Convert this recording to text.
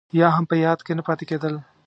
يا هم په ياد کې نه پاتې کېدل.